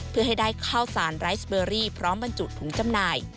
เพื่อให้ได้ข้าวสารไร้สเบอรี่พร้อมบรรจุถุงจำหน่าย